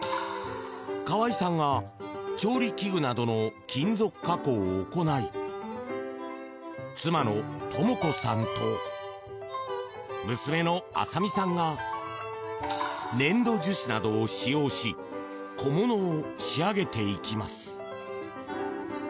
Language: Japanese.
河合さんが調理器具などの金属加工を行い妻の朝子さんと娘のＡＳＡＭＩさんが粘土樹脂などを使用し小物を仕上げていきます。